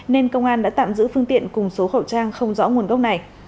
nên công an đã tạm giữ phương tiện cùng số khẩu trang không rõ nguồn gốc này